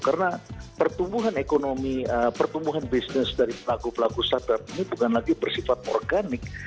karena pertumbuhan ekonomi pertumbuhan bisnis dari pelaku pelaku startup ini bukan lagi bersifat organik